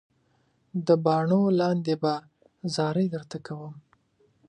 د باڼو لاندې به زارۍ درته کوم.